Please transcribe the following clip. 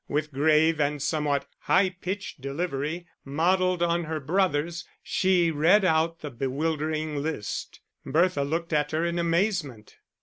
With grave and somewhat high pitched delivery, modelled on her brother's, she read out the bewildering list. Bertha looked at her in amazement.